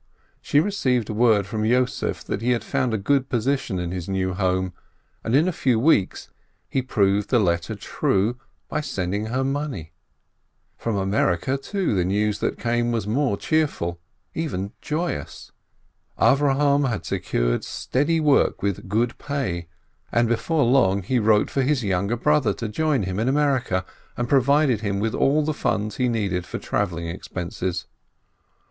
She received word from Yossef that he had found a good position in his new home, and in a few weeks he proved his letter true by sending her money. From America, too, the news that came was more cheer ful, even joyous. Avrohom had secured steady work with good pay, and before long he wrote for his younger brother to join him in America, and provided him with all the funds he needed for travelling expenses.